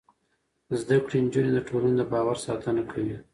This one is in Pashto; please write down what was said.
زده کړې نجونې د ټولنې د باور ساتنه کوي.